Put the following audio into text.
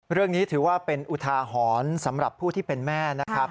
เรื่องนี้ถือว่าเป็นอุทาหรณ์สำหรับผู้ที่เป็นแม่นะครับ